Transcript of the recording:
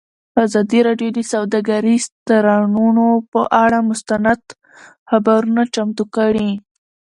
ازادي راډیو د سوداګریز تړونونه پر اړه مستند خپرونه چمتو کړې.